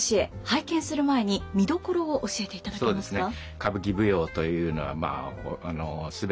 拝見する前に見どころを教えていただけますか。